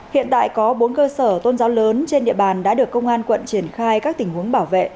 hiện tại có bốn cơ sở tôn giáo lớn trên địa bàn đã được công an quận triển khai các tình huống bảo vệ